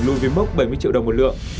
lưu viên mốc bảy mươi triệu đồng một lượng